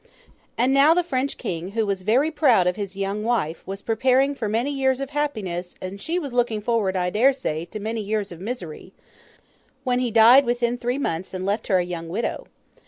And now the French King, who was very proud of his young wife, was preparing for many years of happiness, and she was looking forward, I dare say, to many years of misery, when he died within three months, and left her a young widow.